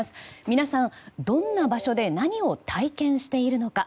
皆さん、どんな場所で何を体験しているのか。